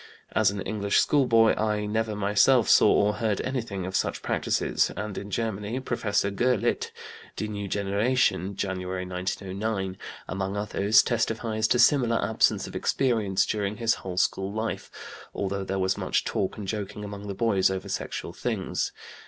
As an English schoolboy I never myself saw or heard anything of such practices, and in Germany, Professor Gurlitt (Die Neue Generation, January, 1909), among others, testifies to similar absence of experience during his whole school life, although there was much talk and joking among the boys over sexual things.